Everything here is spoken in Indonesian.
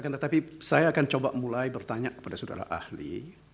tetapi saya akan coba mulai bertanya kepada saudara ahli